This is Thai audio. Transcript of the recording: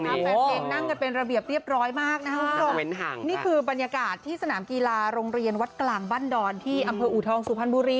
แฟนเพลงนั่งกันเป็นระเบียบเรียบร้อยมากนะครับคุณผู้ชมนี่คือบรรยากาศที่สนามกีฬาโรงเรียนวัดกลางบ้านดอนที่อำเภออูทองสุพรรณบุรี